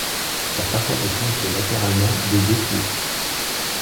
Sa façade est flanquée latéralement de deux tours.